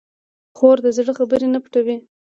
خور د زړه خبرې نه پټوي.